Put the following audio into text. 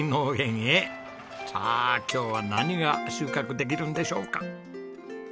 さあ今日は何が収穫できるんでしょうか？